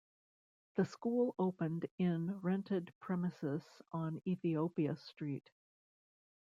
The school opened in rented premises on Ethiopia Street.